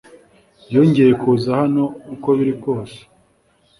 Yongeye kuza hano uko biri kose